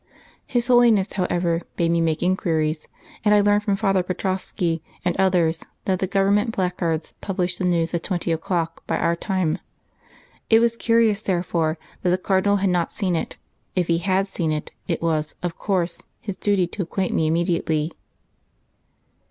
His Holiness, however, bade me make inquiries, and I learned from Father Petrovoski and others that the Government placards published the news at twenty o'clock by our time. It was curious, therefore, that the Cardinal had not seen it; if he had seen it, it was, of course, his duty to acquaint me immediately.